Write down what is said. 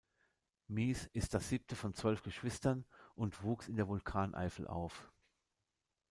Mies ist das siebte von zwölf Geschwistern und wuchs in der Vulkaneifel auf.